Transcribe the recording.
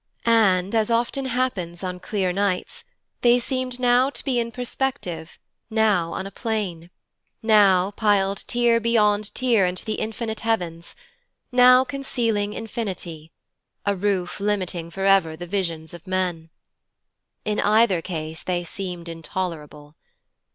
And, as often happens on clear nights, they seemed now to be in perspective, now on a plane; now piled tier beyond tier into the infinite heavens, now concealing infinity, a roof limiting for ever the visions of men. In either case they seemed intolerable.